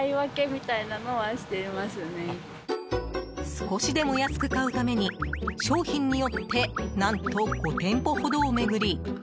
少しでも安く買うために商品によって何と、５店舗ほどを巡り